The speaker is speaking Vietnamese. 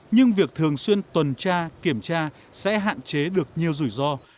nhưng việc thường xuyên tuần tra kiểm tra sẽ hạn chế được nhiều rủi ro